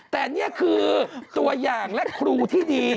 แต่นี่คือตัวอย่างและครูที่ดี